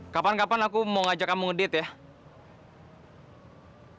kapan kapan aku mau ngajak kamu ngedit ya